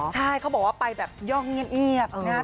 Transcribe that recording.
ใช่เขาบอกว่าไปแบบย่องเงียบนะครับ